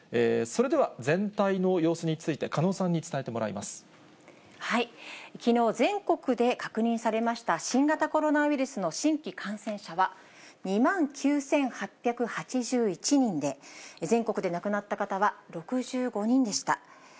それでは全体の様子について、きのう、全国で確認されました新型コロナウイルスの新規感染者は２万９８８１人で、全国で亡くなった方は６５人でした。